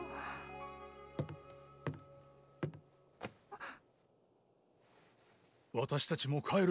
あっ。